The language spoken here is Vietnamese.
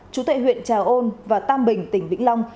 chú tệ huyện trà ôn và tam bình tỉnh vĩnh long